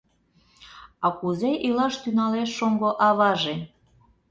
А кузе илаш тӱҥалеш шоҥго аваже?